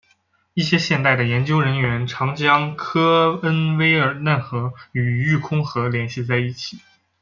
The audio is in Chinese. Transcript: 一些现代的研究人员常将科恩威尔嫩河与育空河联系在一起。